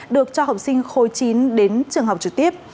được cho học sinh khối chín đến trường học trực tiếp